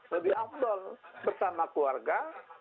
lebih abdel bersama keluarga